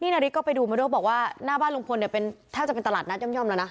นาริกก็ไปดูบอกว่าหน้าบ้านรุงพลแทบจะเป็นตลาดน่าเยี่ยมแล้วนะ